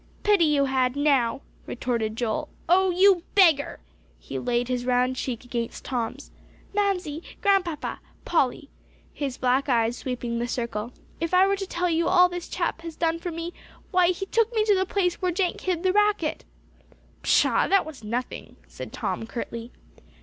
"Pity you had now!" retorted Joel. "Oh, you beggar!" He laid his round cheek against Tom's. "Mamsie, Grandpapa, Polly," his black eyes sweeping the circle, "if I were to tell you all that this chap has done for me, why, he took me to the place where Jenk hid the racket." "Pshaw! that was nothing," said Tom curtly.